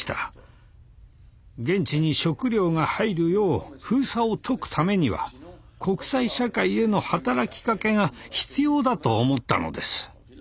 現地に食料が入るよう封鎖を解くためには国際社会への働きかけが必要だと思ったのです。